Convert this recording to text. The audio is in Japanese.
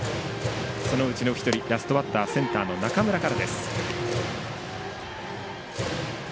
そのうちの１人、ラストバッターセンターの中村から。